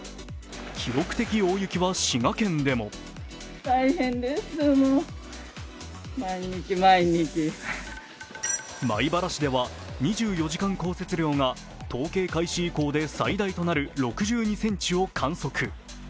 記録的大雪は滋賀県でも米原市では２４時間降雪量が統計開始以降で最大となる６２ｃｍを観測。